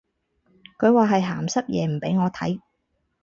佢話係鹹濕嘢唔俾我睇